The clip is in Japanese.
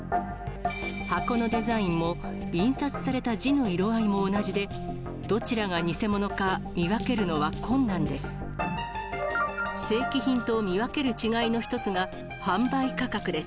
箱のデザインも、印刷された字の色合いも同じで、どちらが偽物か、見分けるのは困難です。